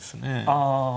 ああ。